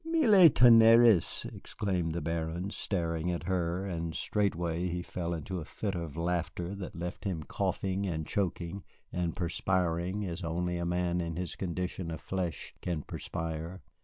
"Mille tonneres," exclaimed the Baron, staring at her, and straightway he fell into a fit of laughter that left him coughing and choking and perspiring as only a man in his condition of flesh can perspire.